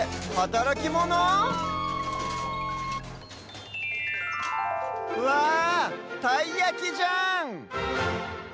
たいやきじゃん！